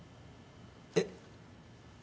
えっ？